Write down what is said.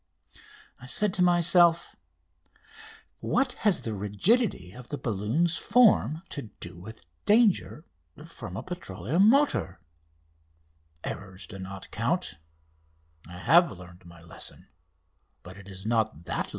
I said to myself: "What has the rigidity of the balloon's form to do with danger from a petroleum motor? Errors do not count. I have learned my lesson, but it is not that lesson." [Illustration: ACCIDENT TO "No.